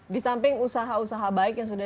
di samping usaha usaha baik yang sudah